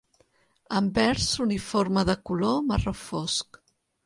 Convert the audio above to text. Anvers uniforme de color marró fosc.